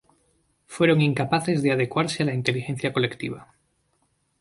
Fueron incapaces de adecuarse a la inteligencia colectiva.